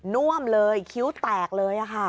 น่วมเลยคิ้วแตกเลยค่ะ